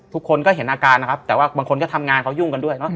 ทุกคนก็เห็นอาการนะครับแต่ว่าบางคนก็ทำงานเขายุ่งกันด้วยเนาะ